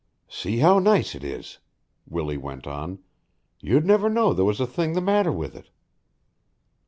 "See how nice 'tis," Willie went on. "You'd never know there was a thing the matter with it."